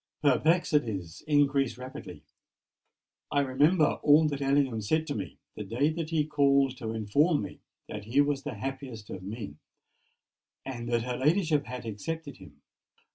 Perplexities increase rapidly. I remember all that Ellingham said to me the day that he called to inform me that he was the happiest of men, and that her ladyship had accepted him.